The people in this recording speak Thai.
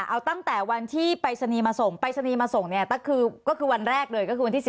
เอาตั้งแต่วันที่ปรายศนีย์มาส่งปรายศนีย์มาส่งเนี่ยก็คือวันแรกเลยก็คือวันที่๑